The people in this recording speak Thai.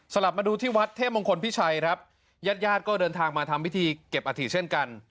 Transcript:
กลับมาดูที่วัดเทพมงคลพิชัยครับญาติญาติก็เดินทางมาทำพิธีเก็บอาถิเช่นกัน